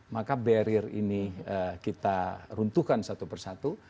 maka barrier ini kita runtuhkan satu persatu